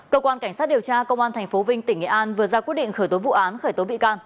cơ quan cảnh sát điều tra công an tp vinh tỉnh nghệ an vừa ra quyết định khởi tố vụ án khởi tố bị can